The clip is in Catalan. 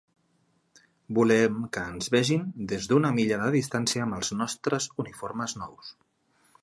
Volem que ens vegin des d'una milla de distància amb els nostres uniformes nous.